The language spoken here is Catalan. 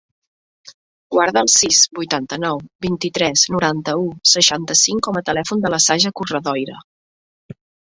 Guarda el sis, vuitanta-nou, vint-i-tres, noranta-u, seixanta-cinc com a telèfon de la Saja Corredoira.